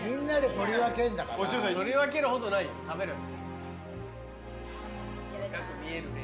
取り分けるほどないよ食べろよ。